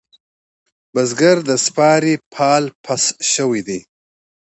بزگر د سپارې پال پس شوی دی.